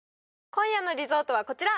今夜のリゾートはこちら！